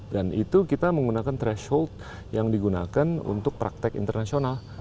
dan itu kita menggunakan threshold yang digunakan untuk praktek internasional